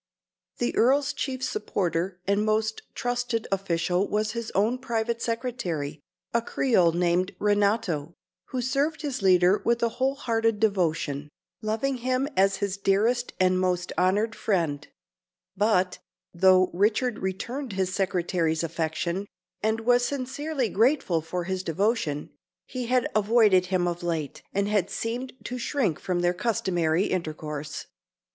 The Earl's chief supporter and most trusted official was his own private secretary, a Creole named Renato, who served his leader with a whole hearted devotion, loving him as his dearest and most honoured friend; but, though Richard returned his Secretary's affection, and was sincerely grateful for his devotion, he had avoided him of late, and had seemed to shrink from their customary intercourse.